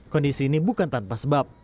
kondisi ini bukan tanpa sebab